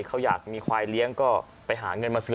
เขาอยากมีควายเลี้ยงก็ไปหาเงินมาซื้อ